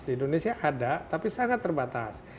di indonesia ada tapi sangat terbatas